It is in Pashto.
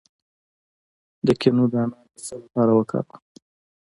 د کینو دانه د څه لپاره وکاروم؟